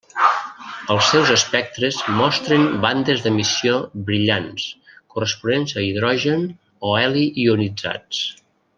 Els seus espectres mostren bandes d'emissió brillants, corresponents a hidrogen o heli ionitzats.